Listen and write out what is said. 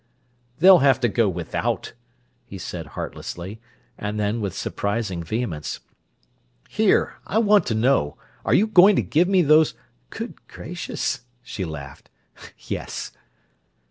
"They'll have to go without," he said heartlessly; and then, with surprising vehemence: "Here! I want to know: Are you going to give me those—" "Good gracious!" she laughed. "Yes!"